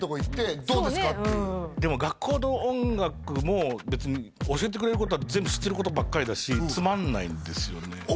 っていうでも学校の音楽も別に教えてくれることは全部知ってることばっかりだしつまんないんですよね